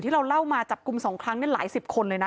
ที่เราเล่ามาจับกลุ่มสองครั้งเนี่ยหลายสิบคนเลยนะ